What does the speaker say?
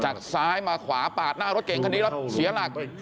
ซ้ายมาขวาปาดหน้ารถเก่งคันนี้แล้วเสียหลัก